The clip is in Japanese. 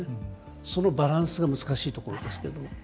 そのバランスが難しいところですね。